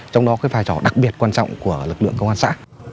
trong đó cái vai trò đặc biệt quan trọng của lực lượng công an xã